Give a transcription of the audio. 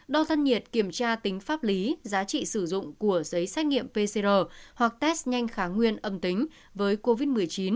đo thân nhiệt kiểm tra tính pháp lý giá trị sử dụng của giấy xét nghiệm pcr hoặc test nhanh kháng nguyên âm tính với covid một mươi chín